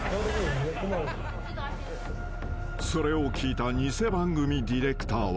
［それを聞いた偽番組ディレクターは］